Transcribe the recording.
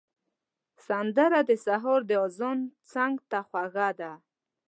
سندره د سهار د اذان څنګ ته خوږه ده